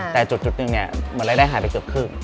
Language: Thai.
แต่จุดหนึ่งเนี่ยเหมือนรายได้หายไปเกือบครึ่ง